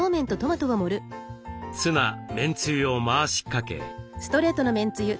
ツナめんつゆを回しかけ。